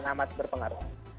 sangat amat berpengaruh